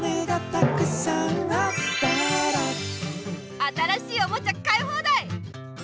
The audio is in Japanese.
新しいおもちゃ買いほうだい！